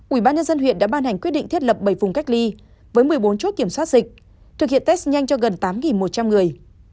ubnd huyện đã ban hành quyết định thiết lập bảy vùng cách ly với một mươi bốn chốt kiểm soát dịch thực hiện test nhanh cho gần tám một trăm linh người